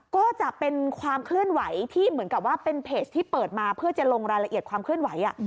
ก็จะเป็นความเคลื่อนไหวที่เหมือนกับว่าเป็นเพจที่เปิดมาเพื่อจะลงรายละเอียดความเคลื่อนไหว